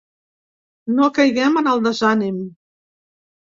No caiguem en el desànim.